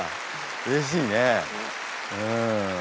うれしいね。